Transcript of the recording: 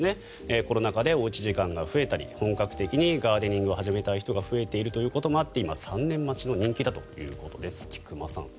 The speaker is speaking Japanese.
コロナ禍でおうち時間が増えたり本格的にガーデニングを始めたい人が増えているということもあって今、３年待ちの人気だということです。